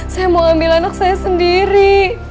saya mau ambil anak saya sendiri